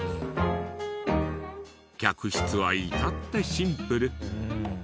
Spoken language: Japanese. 客室は至ってシンプル。